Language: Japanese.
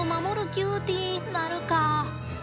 キューティーなるか。